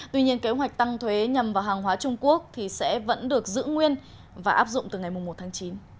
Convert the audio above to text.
tuy nhiên kế hoạch tăng thuế nhằm vào hàng hóa trung quốc sẽ vẫn được giữ nguyên và áp dụng từ ngày một tháng chín